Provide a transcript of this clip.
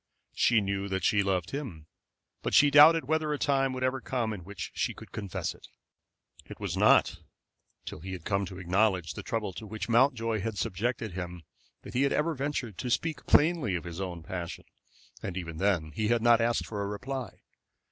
She knew that she loved him, but she doubted whether a time would ever come in which she could confess it. It was not till he had come to acknowledge the trouble to which Mountjoy had subjected him that he had ever ventured to speak plainly of his own passion, and even then he had not asked for a reply.